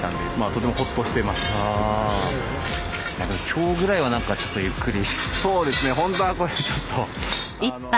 今日ぐらいはちょっとゆっくり？